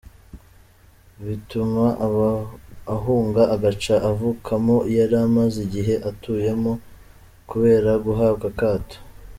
btuma ahunga agace avukamo yari amaze igihe atuyemo, kubera guhabwa akato.